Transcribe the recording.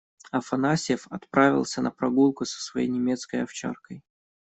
Афанасьев отправился на прогулку со своей немецкой овчаркой.